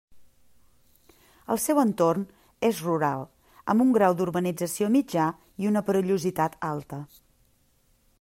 El seu entorn és rural, amb un grau d'urbanització mitjà i una perillositat alta.